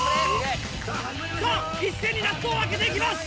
さぁ一斉に納豆を開けていきます。